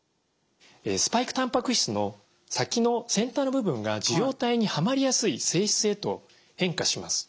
スパイクたんぱく質の先の先端の部分が受容体にはまりやすい性質へと変化します。